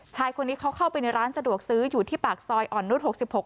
ชายคนนี้เขาเข้าไปในร้านสะดวกซื้ออยู่ที่ปากซอยอ่อนนุษย์๖๖